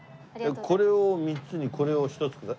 これを３つにこれを１つ頂けます？